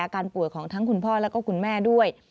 การป่วยของทั้งคุณพ่อแล้วก็คุณแม่ด้วย